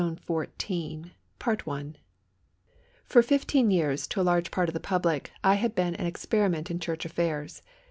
THE FOURTEENTH MILESTONE 1889 1891 For fifteen years, to a large part of the public, I had been an experiment in church affairs.